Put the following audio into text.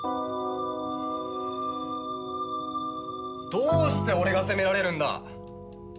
どうして俺が責められるんだ！？